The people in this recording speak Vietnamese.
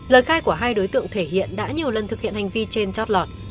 lời khai của hai đối tượng thể hiện đã nhiều lần thực hiện hành vi trên chót lọt